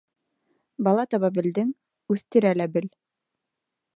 Бала таба белдең, үҫтерә лә бел.